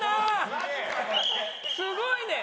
すごいね！